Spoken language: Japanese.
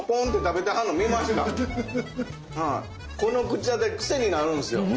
この口あたり癖になるんすよ。